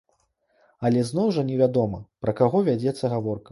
Але зноў жа невядома, пра каго вядзецца гаворка.